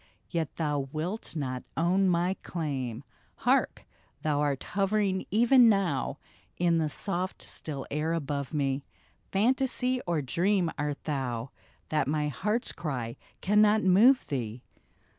Yet thou wilt not own my claim. Hark ! thou'rt hovering even now In the soft still air above me — Fantasy or dream art thou, That my heart's cry cannot move thee